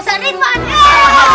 selamat pulang ustaz aulia